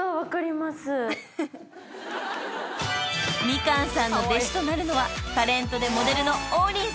［みかんさんの弟子となるのはタレントでモデルの］